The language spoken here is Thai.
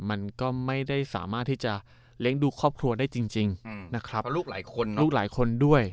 มันก็ไม่ได้สามารถที่จะเลี้ยงดูครอบครัวได้จริงนะครับเพราะลูกหลายคนลูกหลายคนด้วย